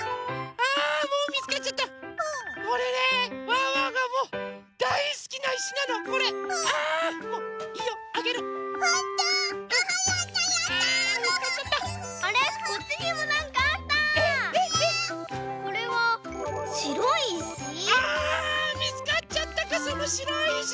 あみつかっちゃったかそのしろいいし。